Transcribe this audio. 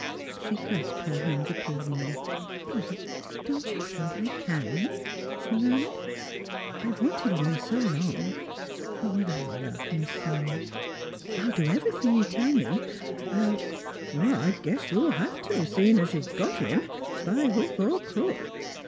" She clasped her hands appealingly. " Oh, don't you think I can? " she murmured. " I've wanted one so long, and I — I love him so! I'll do everything you tell me. I'll "" I gTiess you'll have to, seeing you've got him, by hook or crook.